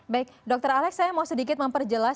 baik dokter alex saya mau sedikit memperjelas